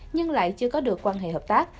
nhưng lại chưa có được quan hệ hợp tác